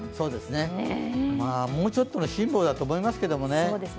もうちょっとのしんぼうだと思いますけどね。